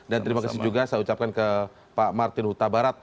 dan terima kasih juga saya ucapkan ke pak martin huta barat